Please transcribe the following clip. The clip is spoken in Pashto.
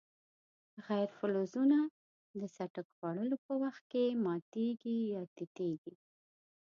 غیر فلزونه د څټک خوړلو په وخت کې ماتیږي یا تیتیږي.